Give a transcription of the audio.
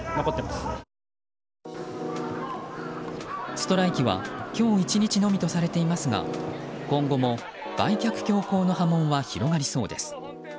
ストライキは今日１日のみとされていますが今後も売却強硬の波紋は広がりそうです。